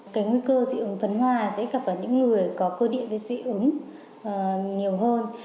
cái nguy cơ dị ứng phấn hoa sẽ gặp vào những người có cơ địa về dị ứng nhiều hơn